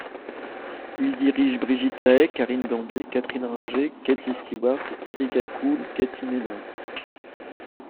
Il dirige Brigitte Lahaie, Karine Gambier, Catherine Ringer, Cathy Stewart, Erika Cool, Cathy Ménard...